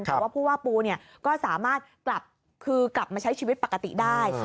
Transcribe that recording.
เพราะว่าผู้ว่าปูก็สามารถกลับมาใช้ชีวิตปกติได้